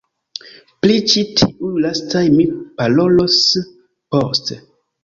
Pri ĉi tiuj lastaj mi parolos poste.